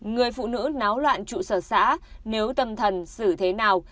người phụ nữ náo loạn trụ sở xã nếu tâm thần xử thế nào